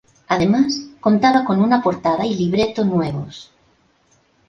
Además contaba con una portada y libreto nuevos.